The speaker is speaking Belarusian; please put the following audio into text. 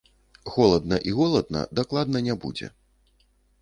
Холадна і голадна дакладна не будзе.